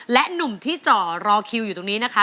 และหนุ่มที่จ่อรอคิวอยู่ตรงนี้นะคะ